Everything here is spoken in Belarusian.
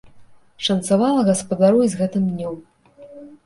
Шанцавала гаспадару і з гэтым днём.